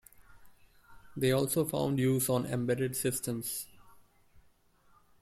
They also found use on embedded systems.